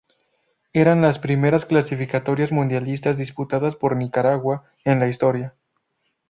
Eran las primeras clasificatorias mundialistas disputadas por Nicaragua en la historia.